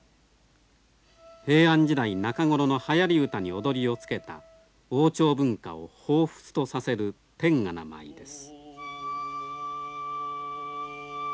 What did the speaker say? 平安時代中頃のはやり歌に踊りをつけた王朝文化を彷彿とさせる典雅な舞です。